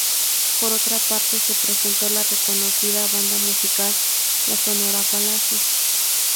Por otra parte, se presentó la reconocida banda musical "La Sonora Palacios".